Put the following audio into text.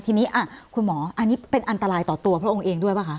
ทีนี้คุณหมออันนี้เป็นอันตรายต่อตัวพระองค์เองด้วยป่ะคะ